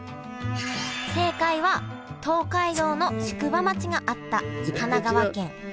正解は東海道の宿場町があった神奈川県川崎市。